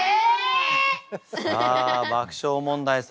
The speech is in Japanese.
さあ爆笑問題様